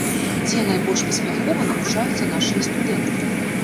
Дзе найбольш паспяхова навучаюцца нашыя студэнты?